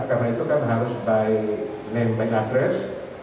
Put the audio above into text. karena itu kan harus by name and address